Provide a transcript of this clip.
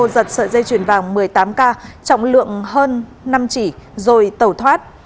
giật sợi dây chuyển vàng một mươi tám k trọng lượng hơn năm chỉ rồi tẩu thoát